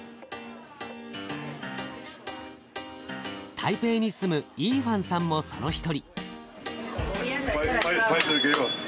台北に住むイーファンさんもその一人。